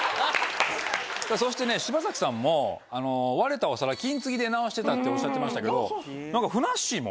そして柴咲さんも割れたお皿金継ぎで直してたっておっしゃってましたけどふなっしーも？